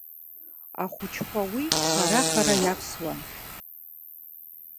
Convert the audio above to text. Ахәыҷқәа уи хара-хара иавсуан.